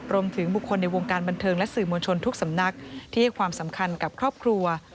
รวมถึงบุคคลในวงการบันเทิงและสื่อมวลชนทุกสำนักที่ให้ความสำคัญกับครอบครัว